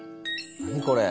何これ。